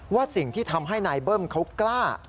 ว่าสิ่งที่ทำให้นายเบิ้มเขากล้า